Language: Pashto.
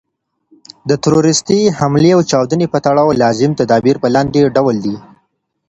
د تروریستي حملې او چاودني په تړاو لازم تدابیر په لاندي ډول دي.